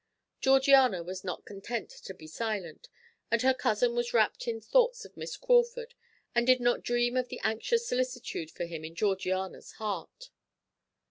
Georgiana was not content to be silent, and her cousin was wrapped in thoughts of Miss Crawford and did not dream of the anxious solicitude for him in Georgiana's heart.